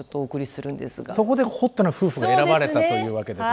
そこでホットな夫婦が選ばれたというわけで。